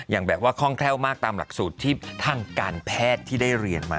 อย่างแบบว่าคล่องแคล่วมากตามหลักสูตรที่ทางการแพทย์ที่ได้เรียนมา